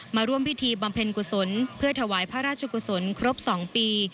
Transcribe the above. มาร่วมพิธีบำเพ็ญกุศลเพื่อถวายพระราชกุศลครบ๒ปี